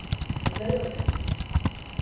Yukarı bakın!